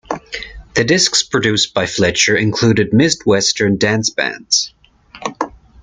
The discs produced by Fletcher included midwestern dance bands.